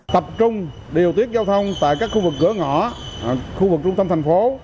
tập trung điều tiết giao thông tại các khu vực cửa ngõ khu vực trung tâm thành phố